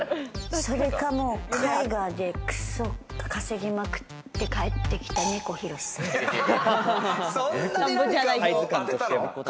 それか海外でクソ稼ぎまくって帰ってきた猫ひろしさん？